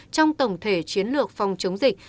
trong tổng thể chiến lược phòng chống dịch